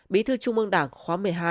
bí thư trung ương đảng khóa một mươi hai